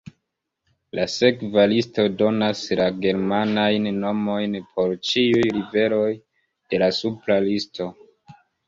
La sekva listo donas la germanajn nomojn por ĉiuj riveroj de la supra listo.